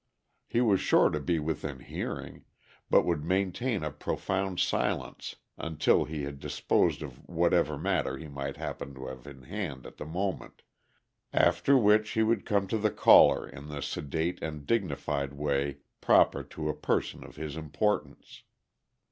He was sure to be within hearing, but would maintain a profound silence until he had disposed of whatever matter he might happen to have in hand at the moment, after which he would come to the caller in the sedate and dignified way proper to a person of his importance.